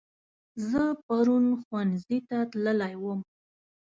زه پرون ښوونځي ته تللی وم